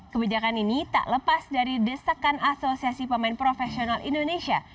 kebijakan ini tak lepas dari desakan asosiasi pemain profesional indonesia